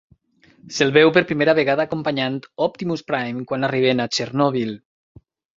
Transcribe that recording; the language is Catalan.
S'el veu per primera vegada acompanyant Optimus Prime quan arriben a Chernobyl.